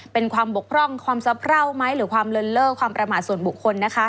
เป็นความบกพร่องความสะเพราไหมหรือความเลินเล่อความประมาทส่วนบุคคลนะคะ